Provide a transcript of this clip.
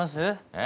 え？